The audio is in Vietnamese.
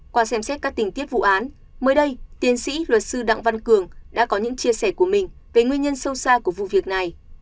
qua xem xét các tình tiết vụ án mới đây tiến sĩ luật sư đặng văn cường đã có những chia sẻ của mình về nguyên nhân sâu xa của vụ việc này